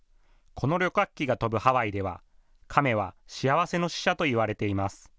この旅客機が飛ぶハワイではカメは幸せの使者といわれています。